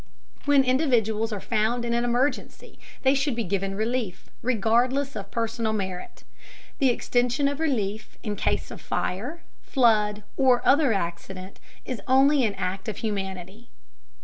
When individuals are found in an emergency they should be given relief, regardless of personal merit. The extension of relief in case of fire, flood or other accident is only an act of humanity.